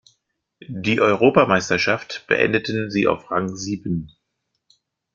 Die Europameisterschaft beendeten sie auf Rang sieben.